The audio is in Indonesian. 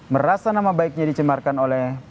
merasa nama baiknya dicemarkan oleh